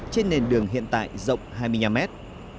trên nền đường hiện tại rộng hai mươi năm mét